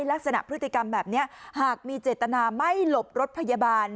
ลักษณะพฤติกรรมแบบนี้หากมีเจตนาไม่หลบรถพยาบาล